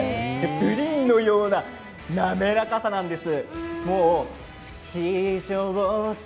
プリンのような滑らかさなんです。